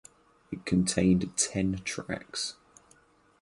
It contained ten tracks.